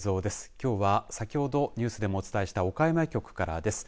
きょうは先ほどニュースでもお伝えした岡山局からです。